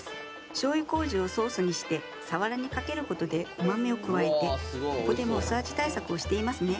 しょうゆこうじをソースにしてさわらにかけることでうまみを加えて、ここでも薄味対策をしていますね。